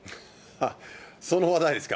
その話題ですか。